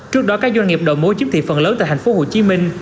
trước đó các doanh nghiệp đầu mối chiếm thị phần lớn tại thành phố hồ chí minh